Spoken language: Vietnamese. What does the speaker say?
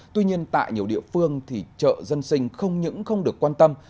tuy nhiên tại nhiều địa phương thì chợ dân sinh không những không được quan tâm